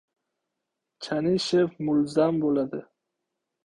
Chanishev mulzam bo‘ladi!